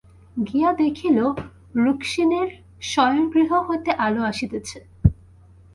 গিয়া দেখিল, রুক্মিণীর শয়নগৃহ হইতে আলো আসিতেছে।